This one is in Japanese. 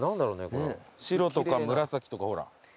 白とか紫とかほら。